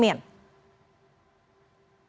bagi pkb tidak mungkin